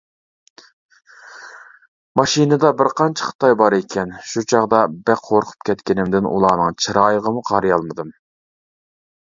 ماشىنىدا بىرقانچە خىتاي بار ئىكەن، شۇ چاغدا بەك قورقۇپ كەتكىنىمدىن ئۇلارنىڭ چىرايىغىمۇ قارىيالمىدىم.